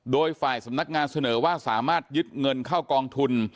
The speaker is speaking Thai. โดยฝ่ายสำนักงานเสนอว่าสามารถยึดเงินเข้ากองทุน